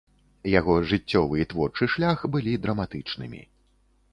Яго жыццёвы і творчы шлях былі драматычнымі.